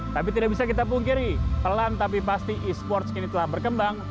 tapi tidak bisa kita pungkiri pelan tapi pasti e sports kini telah berkembang